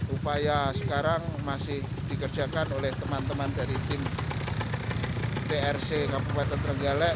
upaya sekarang masih dikerjakan oleh teman teman dari tim trc kabupaten trenggalek